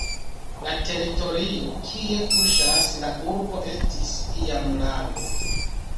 La teritorio kie kuŝas la urbo estis iam lago.